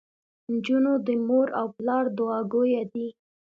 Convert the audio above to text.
انجونو د مور او پلار دوعاګويه دي.